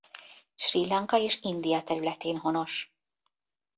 Srí Lanka és India területén honos.